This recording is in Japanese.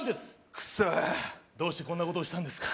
クソッどうしてこんなことをしたんですか？